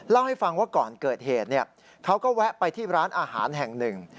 เล่าให้ฟังว่าก่อนเกิดเหตุเขาก็แวะไปที่ร้านอาหารแห่งหนึ่ง